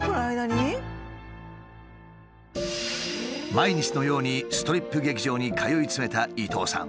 毎日のようにストリップ劇場に通い詰めた伊東さん。